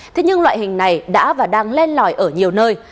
thế nhưng loại hình này đã và đang lên lòi ở nhiều nơi